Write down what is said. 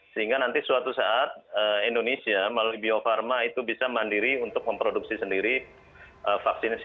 sehingga nanti suatu saat indonesia melalui bio farma itu bisa mandiri untuk memproduksi sendiri vaksinasi